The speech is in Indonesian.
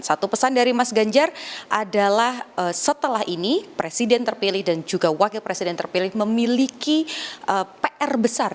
satu pesan dari mas ganjar adalah setelah ini presiden terpilih dan juga wakil presiden terpilih memiliki pr besar